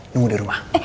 nunggu di rumah